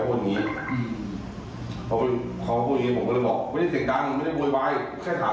อันนี้คือยิงได้ตั้งใจไหม